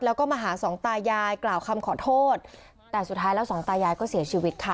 แล้วก็มาหาสองตายายกล่าวคำขอโทษแต่สุดท้ายแล้วสองตายายก็เสียชีวิตค่ะ